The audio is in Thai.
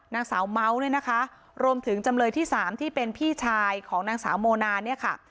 นางสาวเมาส์เนี่ยนะคะรวมถึงจำเลยที่สามที่เป็นพี่ชายของนางสาวโมนาเนี่ยค่ะ